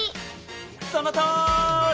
そのとおり！